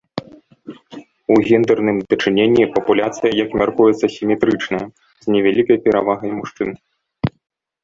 У гендэрным дачыненні папуляцыя, як мяркуецца, сіметрычная, з невялікай перавагай мужчын.